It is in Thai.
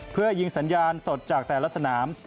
เพื่อยิงสัญญาณสดจากแต่ละสนาม